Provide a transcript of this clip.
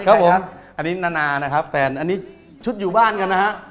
ครับผมอันนี้นานานะครับแฟนอันนี้ชุดอยู่บ้านกันนะฮะ